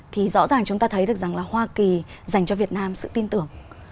thì rõ ràng chúng ta thấy được rằng là hoa kỳ dành cho việt nam sự tin tưởng